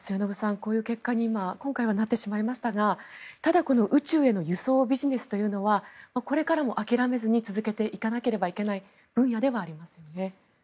こういう結果に今回はなってしまいましたがただ、この宇宙への輸送ビジネスというのはこれからも諦めずに続けていかなければいけない分野ではありますよね。